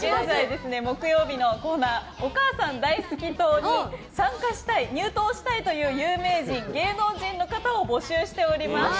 木曜日のコーナーお母さん大好き党に参加したい入党したいという有名人、芸能人の方を募集しております。